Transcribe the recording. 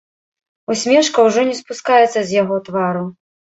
Усмешка ўжо не спускаецца з яго твару.